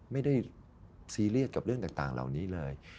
ไม่ได้ซีเรียสกับเรื่องต่างเหล่านี้เลย